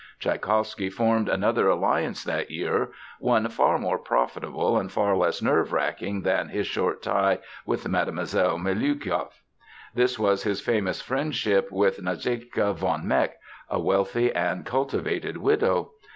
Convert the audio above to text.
Tschaikowsky formed another alliance that year, one far more profitable and far less nerve wracking than his short tie with Mlle. Miliukov. This was his famous friendship with Nadezhka von Meck, a wealthy and cultivated widow.